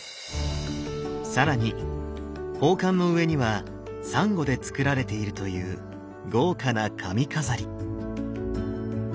更に宝冠の上にはサンゴで造られているという豪華な髪飾り。